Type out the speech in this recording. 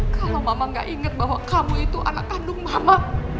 kalau mama gak ingat bahwa kamu itu anak kandung mama